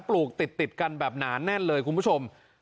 ปลูกติดกันแน่นเลยคุณผู้ชม